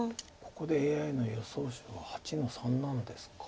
ここでＡＩの予想手は８の三なんですか。